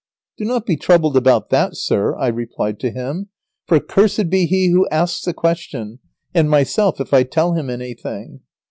_"] "Do not be troubled about that, sir," I replied to him, "for cursed be he who asks the question, and myself if I tell him anything.